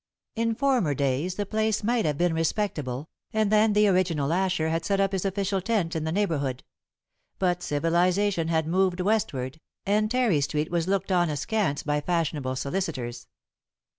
In former days the place might have been respectable, and then the original Asher had set up his official tent in the neighborhood; but civilization had moved westward, and Terry Street was looked on askance by fashionable solicitors.